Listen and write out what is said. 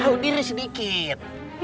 hau diri sedikit